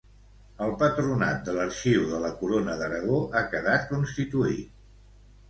El Patronat de l'Arxiu de la Corona d'Aragó ha quedat constituït.